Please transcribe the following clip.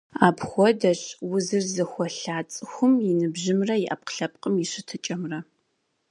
Апхуэдэщ узыр зыхуэлъа цӀыхум и ныбжьымрэ и Ӏэпкълъэпкъым и щытыкӀэмрэ.